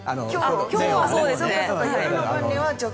今日は、そうですね。